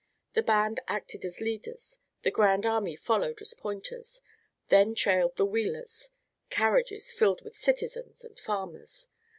The band acted as leaders, the Grand Army followed as pointers, then trailed the wheelers carriages filled with citizens and farmers.